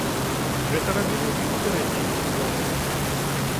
Гэта рабілі і папярэднія выступоўцы.